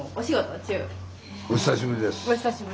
お久しぶりです。